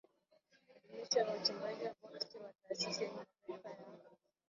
Kudumishwa ya Uchimbaji wa Boksiti ya Taasisi ya Kimataifa ya